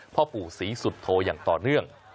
เพราะปู่สีสุดโทอย่างต่อเนื่อง